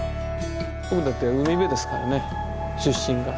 僕だって海辺ですからね出身が。